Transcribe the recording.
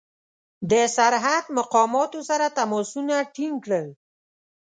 د سرحد مقاماتو سره تماسونه ټینګ کړل.